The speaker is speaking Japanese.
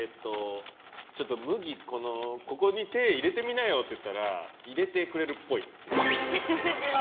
麦、ここに手入れてみなよって言ったら入れてくれるっぽい。